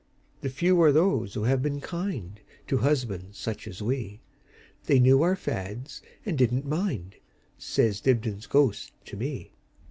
The few are those who have been kindTo husbands such as we; They knew our fads, and did n't mind,"Says Dibdin's ghost to me.